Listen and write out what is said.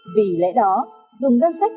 vì lẽ đó dùng ngân sách